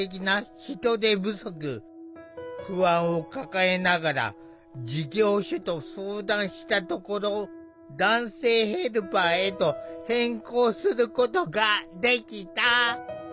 不安を抱えながら事業所と相談したところ男性ヘルパーへと変更することができた。